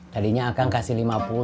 darinya akang kasih lima puluh